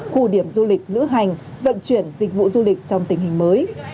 khu điểm du lịch lữ hành vận chuyển dịch vụ du lịch trong tình hình mới